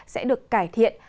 sẽ được cải thiện